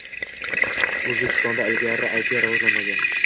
Oʻzbekistonda ilgari AyTi rivojlanmagan